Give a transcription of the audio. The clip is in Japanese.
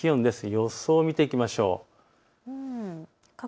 予想を見ていきましょう。